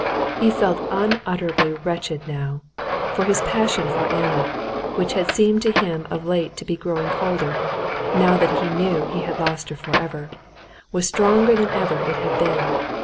He felt unutterably wretched now, for his passion for Anna, which had seemed to him of late to be growing cooler, now that he knew he had lost her forever, was stronger than ever it had been.